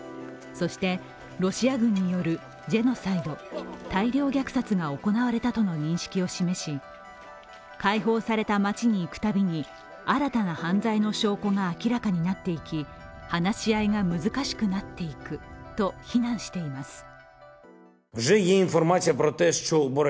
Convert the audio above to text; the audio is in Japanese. そして、ロシア軍によるジェノサイド＝大量虐殺が行われたとの認識を示し解放された町に行くたびに新たに犯罪の証拠が明らかになっていき、話し合いが難しくなっていくと非難しています。